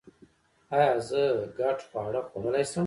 ایا زه ګډ خواړه خوړلی شم؟